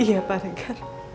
iya pak neger